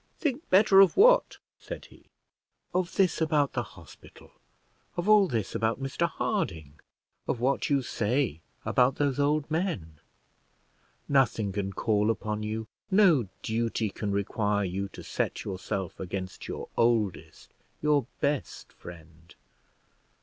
"Think better of what?" said he. "Of this about the hospital, of all this about Mr Harding, of what you say about those old men. Nothing can call upon you, no duty can require you to set yourself against your oldest, your best friend.